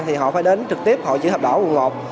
thì họ phải đến trực tiếp hội chữ thập đỏ quận một